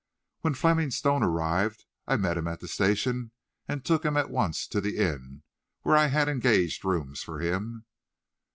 When Fleming Stone arrived I met him at the station and took him at once to the inn, where I had engaged rooms for him.